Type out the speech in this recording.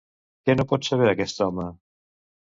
Què no pot saber aquest home?